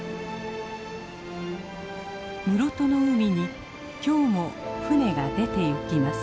室戸の海に今日も船が出てゆきます。